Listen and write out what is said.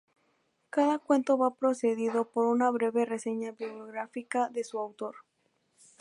Cada cuento va precedido por una breve reseña bibliográfica de su autor.